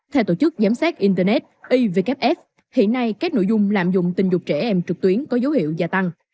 theo tổ chức giám sát internet ivkf hiện nay các nội dung lạm dụng tình dục trẻ em trực tuyến có dấu hiệu gia tăng